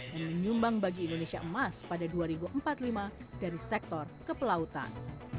dan menyumbang bagi indonesia emas pada dua ribu empat puluh lima dari sektor kepelautan